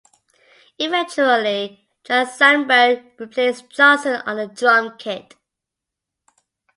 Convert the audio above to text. Eventually John Sandberg replaced Jonsson on the drum kit.